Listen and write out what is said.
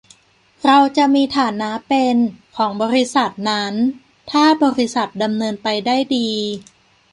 เราจะมีฐานะเป็น ของบริษัทนั้น ถ้าบริษัทดำเนินไปได้ดี